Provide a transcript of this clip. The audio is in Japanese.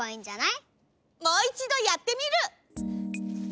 もういちどやってみる！